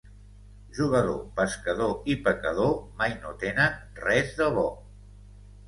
Jugador, pescador i pecador mai no tenen res de bo.